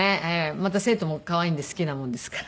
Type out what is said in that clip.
また生徒も可愛いんで好きなもんですから。